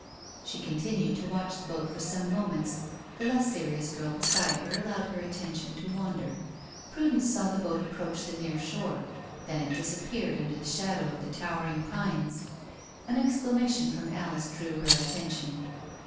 She continued to watch the boat for some moments. The less serious girl beside her allowed her attention to wander. Prudence saw the boat approach the near shore. Then it disappeared under the shadow of the towering pines. An exclamation from Alice drew her attention.